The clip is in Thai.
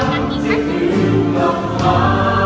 ที่ถึงกำลัง